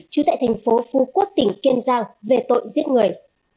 trú tại thành phố phú quốc tỉnh kiên giang về tội giết người